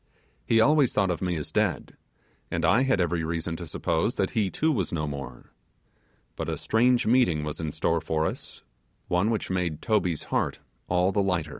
He always thought of me as dead and I had every reason to suppose that he too was no more; but a strange meeting was in store for us, one which made Toby's heart all th